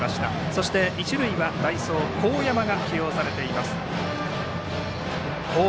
そして一塁は代走神山芯平が起用されています。